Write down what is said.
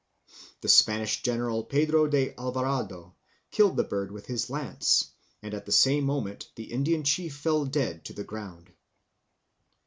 The Spanish general Pedro de Alvarado killed the bird with his lance, and at the same moment the Indian chief fell dead to the ground.